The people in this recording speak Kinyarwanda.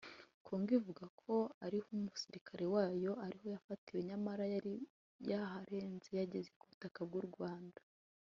Congo ivuga ko ariho umusirikare wayo ariho yafatiwe nyamara yari yaharenze yageze ku butaka bw’u Rwanda